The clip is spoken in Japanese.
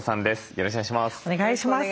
よろしくお願いします。